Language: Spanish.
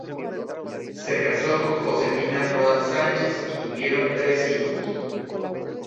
Se casó con Josefina Rodas Sánchez y tuvieron tres hijos.